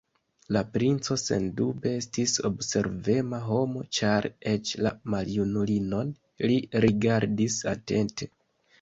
La princo sendube estis observema homo, ĉar eĉ la maljunulinon li rigardis atente.